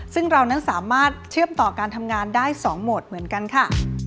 ซึ่งเรานั้นสามารถเชื่อมต่อการทำงานได้๒โหมดเหมือนกันค่ะ